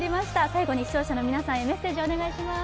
最後に視聴者の皆さんにメッセージ、お願いします。